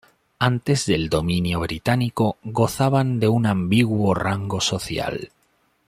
Antes del dominio británico gozaban de un ambiguo rango social.